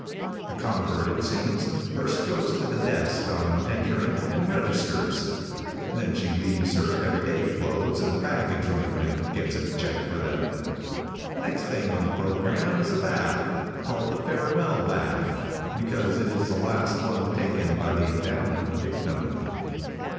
The convert, it seems, first goes to the desk, on entering, and registers. Then she leaves her every day clothes in the baggage room and gets a check for them. The next thing on the programme is a bath, called the farewell bath, because it is the last one taken by the endowment victim.